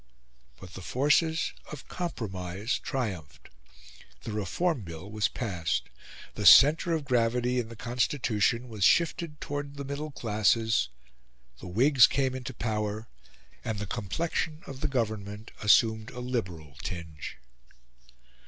But the forces of compromise triumphed: the Reform Bill was passed. The centre of gravity in the constitution was shifted towards the middle classes; the Whigs came into power; and the complexion of the Government assumed a Liberal tinge.